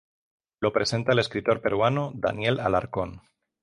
Lo presenta el escritor peruano Daniel Alarcón.